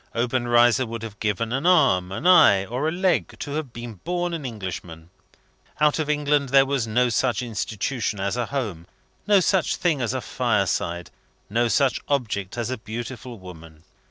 Obenreizer would have given an arm, an eye, or a leg to have been born an Englishman. Out of England there was no such institution as a home, no such thing as a fireside, no such object as a beautiful woman.